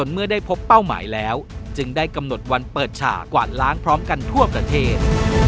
เมื่อได้พบเป้าหมายแล้วจึงได้กำหนดวันเปิดฉากวาดล้างพร้อมกันทั่วประเทศ